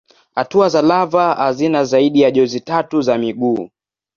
Hatua za lava hazina zaidi ya jozi tatu za miguu.